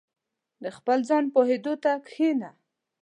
• د خپل ځان پوهېدو ته کښېنه.